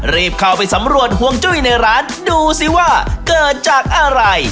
รีบเข้าไปสำรวจห่วงจุ้ยในร้านดูสิว่าเกิดจากอะไร